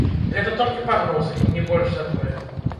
Гэта толькі пагрозы, і не больш за тое.